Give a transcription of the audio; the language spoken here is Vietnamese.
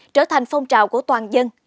trở thành phong trào của toàn dân